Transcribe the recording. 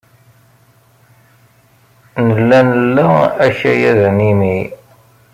Nella nla akayad animi.